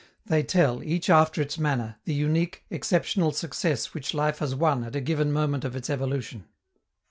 They tell, each after its manner, the unique, exceptional success which life has won at a given moment of its evolution.